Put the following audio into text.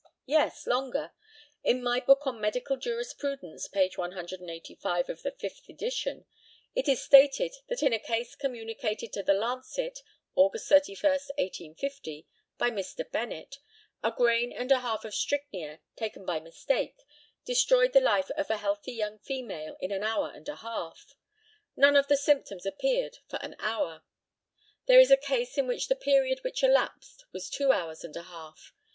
Yes, longer. In my book on medical jurisprudence, page 185 of the 5th edition, it is stated that in a case communicated to the Lancet, August 31, 1850, by Mr. Bennett, a grain and a half of strychnia, taken by mistake, destroyed the life of a healthy young female in an hour and a half. None of the symptoms appeared for an hour. There is a case in which the period which elapsed was two hours and a half.